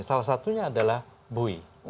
salah satunya adalah bui